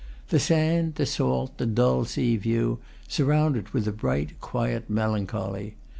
The sand, the salt, the dull sea view, surround it with a bright, quiet melancholy.